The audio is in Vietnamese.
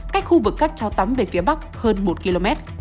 cách khu vực cách cháu tắm về phía bắc hơn một km